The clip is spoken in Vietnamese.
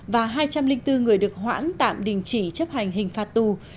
và hai trăm linh bốn người được hoãn tạm đình chỉ chấp hành hình phạt tù